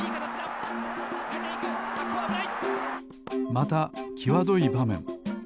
またきわどいばめん。